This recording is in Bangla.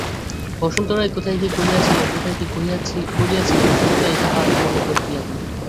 বসন্ত রায় কোথায় কি কহিয়াছিলেন, কোথায় কি করিয়াছিলেন সমুদায় তাঁহার মনে পড়িতে লাগিল।